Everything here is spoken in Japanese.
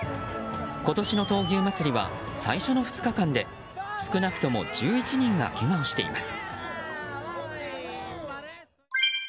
今年の闘牛祭りは最初の２日間で少なくとも１１人がけがをしています。